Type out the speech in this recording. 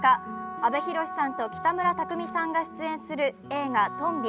阿部寛さんと北村匠海さんが出演する映画「とんび」